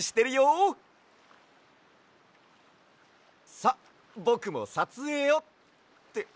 さっぼくもさつえいをって